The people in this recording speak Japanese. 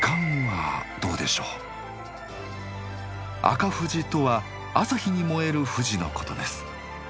赤富士とは朝日に燃える富士のことです。